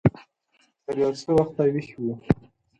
تر يو څه وخته ويښ و.